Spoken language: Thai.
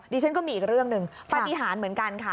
ฉันก็มีอีกเรื่องหนึ่งปฏิหารเหมือนกันค่ะ